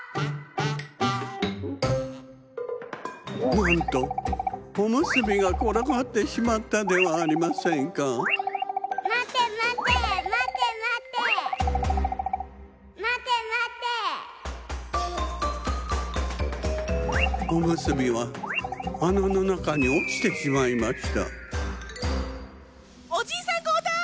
なんとおむすびがころがってしまったではありませんかおむすびはあなのなかにおちてしまいましたおじいさんこうたい！